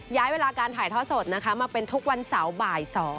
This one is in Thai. ย้ายเวลาการถ่ายท่อสดนะคะมาเป็นทุกวันเสาร์บ่าย๒